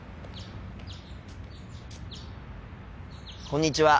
こんにちは。